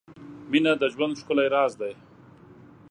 • مینه د ژوند ښکلی راز دی.